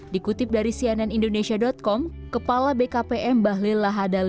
dikutip dari sianenindonesia com kepala bkpm bahlil lahadalil